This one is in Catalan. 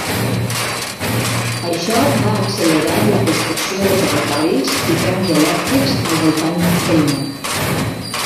Això va accelerar la construcció de ferrocarrils i trams elèctrics al voltant del món.